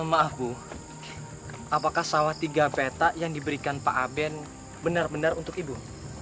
maaf bu apakah sawah tiga peta yang diberikan pak aben benar benar untuk ibu